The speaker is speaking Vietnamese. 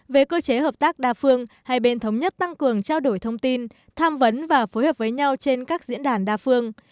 về cơ chế hợp tác đa phương hai bên thống nhất tăng cường trao đổi thông tin tham vấn và phối hợp với nhau trên các diễn đàn đa phương